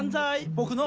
僕の？」